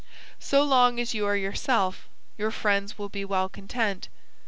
So long as you are yourself, your friends will be well content.